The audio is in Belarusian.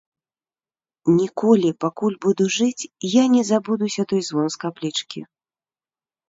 Ніколі, пакуль буду жыць, я не забудуся той звон з каплічкі.